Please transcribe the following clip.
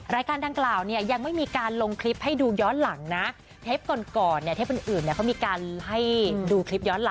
รายการดังกล่าวเนี่ยยังไม่มีการลงคลิปให้ดูย้อนหลังนะเทปก่อนก่อนเนี่ยเทปอื่นเนี่ยเขามีการให้ดูคลิปย้อนหลัง